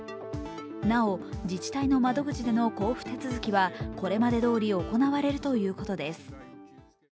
なお、自治体の窓口での交付手続きはこれまでどおり行われるということです。